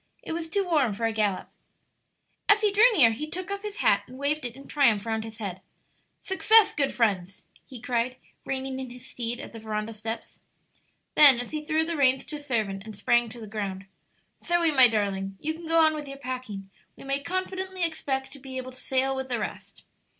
It was too warm for a gallop. As he drew near he took off his hat and waved it in triumph round his head. "Success, good friends!" he cried, reining in his steed at the veranda steps. Then, as he threw the reins to a servant and sprang to the ground, "Zoe, my darling, you can go on with your packing; we may confidently expect to be able to sail with the rest."